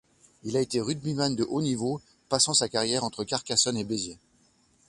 Il a été rugbyman de haut-niveau, passant sa carrière entre Carcassonne et Béziers.